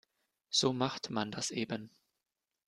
So macht man das eben.